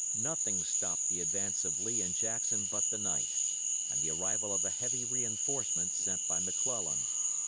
Nothing stopped the advance of Lee and Jackson but the night, and the arrival of a heavy reinforcement sent by McClellan.